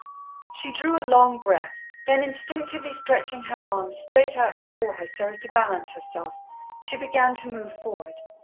She drew a long breath, then, instinctively stretching her arms straight out before her so as to balance herself, she began to move forward.